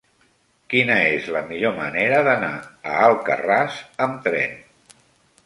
Quina és la millor manera d'anar a Alcarràs amb tren?